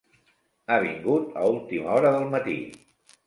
Ha vingut a última hora del matí.